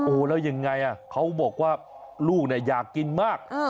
โอ้โหแล้วยังไงเขาบอกว่าลูกอยากกินมาก